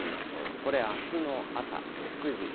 これあすの朝６時。